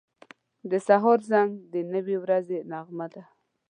• د سهار زنګ د نوې ورځې نغمه ده.